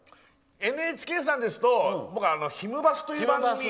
ＮＨＫさんですと、僕「ひむバス」という番組を。